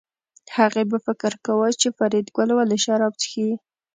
هغې به فکر کاوه چې فریدګل ولې شراب څښي